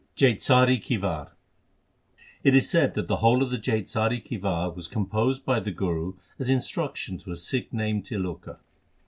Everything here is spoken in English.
JAITSARI KI WAR It is said that the whole of the Jaitsari ki War was composed by the Guru as instruction to a Sikh called Tiloka.